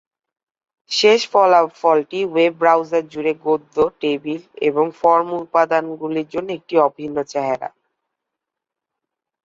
শেষ ফলাফলটি web browser জুড়ে গদ্য, টেবিল এবং ফর্ম উপাদানগুলির জন্য একটি অভিন্ন চেহারা।